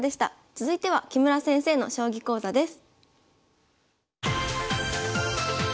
続いては木村先生の将棋講座です。